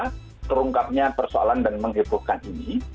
nah kemudian saya kira terungkapnya persoalan dan menghiburkan ini